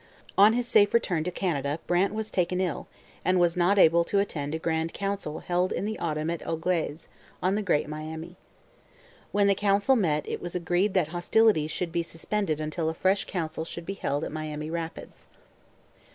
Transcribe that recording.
On his safe return to Canada Brant was taken ill and was not able to attend a grand council held in the autumn at Au Glaize, on the Great Miami. When the council met it was agreed that hostilities should be suspended until a fresh council should be held at Miami Rapids.